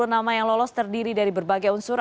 empat puluh nama yang lolos terdiri dari berbagai unsur